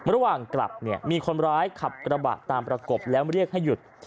ระหว่างกลับเนี่ยมีคนร้ายขับกระบะตามประกบแล้วเรียกให้หยุด